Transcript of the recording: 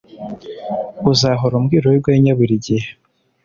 uzahora umbwira urwenya burigihe